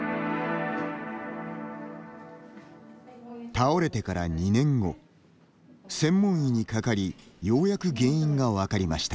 倒れてから２年後専門医にかかりようやく原因が分かりました。